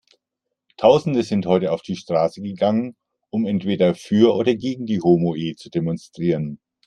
Tausende sind heute auf die Straße gegangen, um entweder für oder gegen die Homoehe zu demonstrieren.